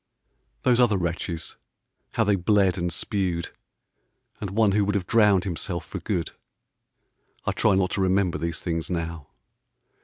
4e H* Those other wretches, how they bled and spewed, And one who would have drowned himself for good, — I try not to remember these things now.